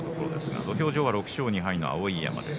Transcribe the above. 土俵上は６勝２敗の碧山です。